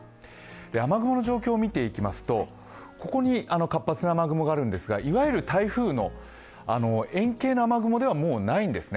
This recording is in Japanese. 雨雲の状況を見ていきますと、ここに活発な雨雲があるんですがもう台風の円形の雨雲ではないんですね。